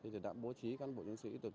thì đã bố trí các an bộ nhân sĩ